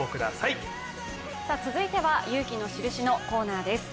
続いては「勇気のシルシ」のコーナーです。